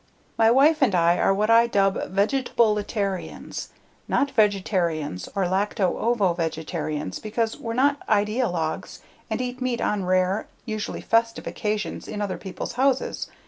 My wife and I are what I dub "vegetablitarians." Not vegetarians, or lacto ovo vegetarians because we're not ideologues and eat meat on rare, usually festive occasions in other peoples' houses.